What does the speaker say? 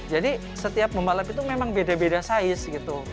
jadi setiap pembalap itu memang beda beda size gitu